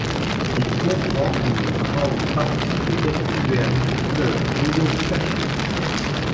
Il comprend une grande partie de l'estuaire du fleuve Rio Cacheu.